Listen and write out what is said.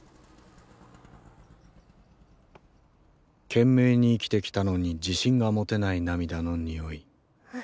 懸命に生きてきたのに自信が持てない涙の匂い。